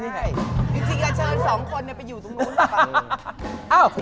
จริงอยากเชิญ๒คนไปอยู่ตรงนู้นหรือเปล่า